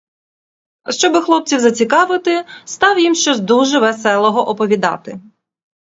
Щоби хлопців зацікавити, став їм щось дуже веселого оповідати.